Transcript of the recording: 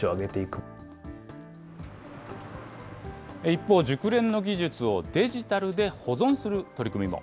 一方、熟練の技術をデジタルで保存する取り組みも。